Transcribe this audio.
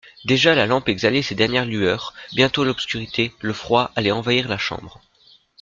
Déjà la lampe exhalait ses dernières lueurs ; bientôt l'obscurité, le froid, allaient envahir la chambre.